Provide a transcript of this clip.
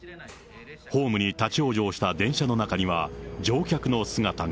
ホームに立往生した電車の中には乗客の姿が。